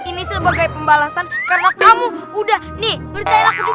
ini sebagai pembalasan karena kamu udah nih ngerjain aku juga